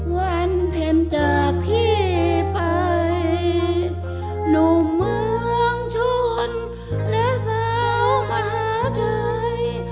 วันเพลินจากพี่ไปลูกเมืองช่วนและสาวมหาใจ